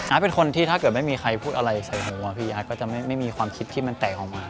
เป็นคนที่ถ้าเกิดไม่มีใครพูดอะไรใส่หัวพี่อาร์ตก็จะไม่มีความคิดที่มันแตกออกมา